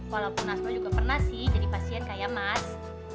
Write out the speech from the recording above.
walaupun asma juga pernah sih jadi pasien kayak mas